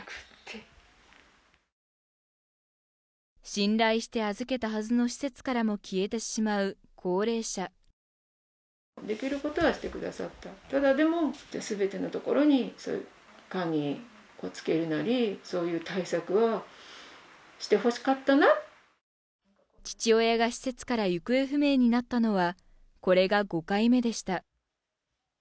信頼して預けたはずの施設からも消えてしまう高齢者父親が施設から行方不明になったのは、これが５回目でした。